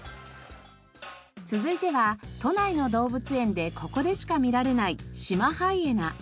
続いては都内の動物園でここでしか見られないシマハイエナ。